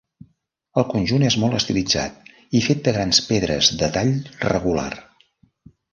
El conjunt és molt estilitzat i fet de grans pedres de tall regular.